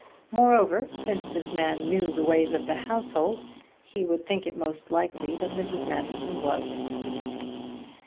Moreover, since this man knew the ways of the household, he would think it most likely that Mrs. Manderson was asleep.